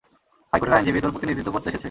হাইকোর্টের আইনজীবী তোর প্রতিনিধিত্ব করতে এসেছে।